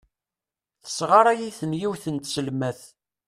Tesɣaray-iten yiwet n tselmadt.